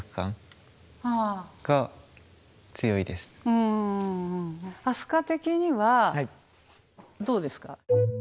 うんあすか的にはどうですか？